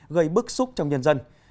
gây bức xúc trong nhân dân